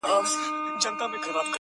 ماویل زه به د سپېدو پر اوږو!